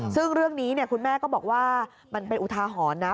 ซึ่งเรื่องนี้คุณแม่ก็บอกว่ามันเป็นอุทาหรณ์นะ